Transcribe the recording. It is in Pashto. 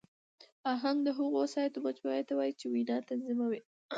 آهنګ د هغو وسایطو مجموعې ته وایي، چي وینا تنظیموي.